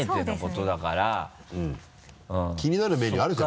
気になるメニューあるでしょ